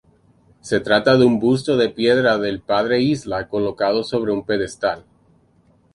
Se trata de un busto en piedra del Padre Isla, colocado sobre un pedestal.